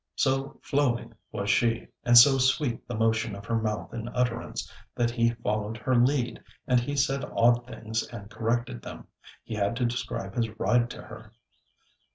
So flowing was she, and so sweet the motion of her mouth in utterance, that he followed her lead, and he said odd things and corrected them. He had to describe his ride to her.